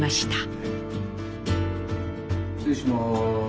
失礼します。